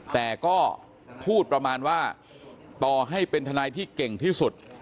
แต่ก็พูดประมาณว่าต่อให้เป็นทนายที่เก่งที่สุด